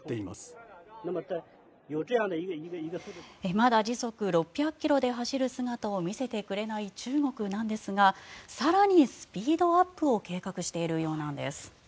まだ時速６００ｋｍで走る姿を見せてくれない中国なんですが更にスピードアップを計画しているようなんです。